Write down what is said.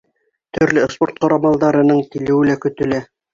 Төрлө спорт ҡорамалдарының килеүе лә көтөлә.